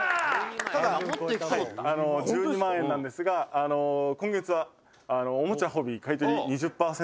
「１２万円なんですが今月はおもちゃ・ホビー買取２０％